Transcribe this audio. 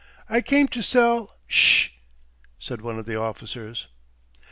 I came to sell " "Ssh!" said one of the officers.